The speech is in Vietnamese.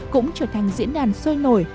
cũng trở thành diễn đàn sôi nổi